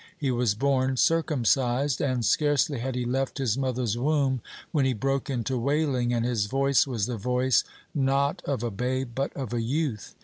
He was born circumcised, (12) and scarcely had he left his mother's womb when he broke into wailing, and his voice was the voice, not of a babe, but of a youth.